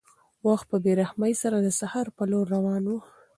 وخت په بې رحمۍ سره د سهار په لور روان و.